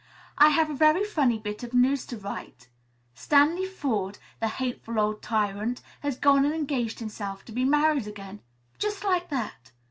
I have a very funny bit of news to write. Stanley Forde, the hateful old tyrant, has gone and engaged himself to be married again. Just like that!